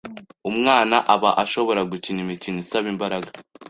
umwana aba ashobora gukina imikino isaba imbaraga,